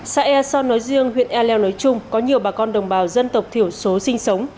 xe a son nói riêng huyện ea leo nói chung có nhiều bà con đồng bào dân tộc thiểu số sinh sống